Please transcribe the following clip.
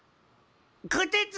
こてつ！